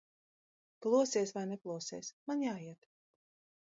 Plosies vai neplosies, man jāiet.